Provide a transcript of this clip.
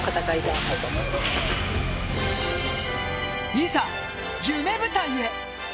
いざ、夢舞台へ。